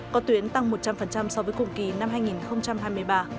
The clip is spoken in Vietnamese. có tuyến tăng một trăm linh so với cùng kỳ năm hai nghìn hai mươi ba